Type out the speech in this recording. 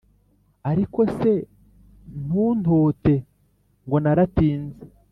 Ariko se ntuntote ngo naratinze,